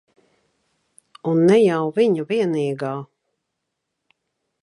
Un ne jau viņa vienīgā.